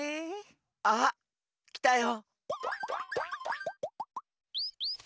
あきたよ！